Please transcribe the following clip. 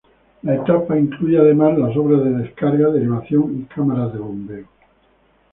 La etapa incluye además las obras de descarga, derivación y cámaras de bombeo.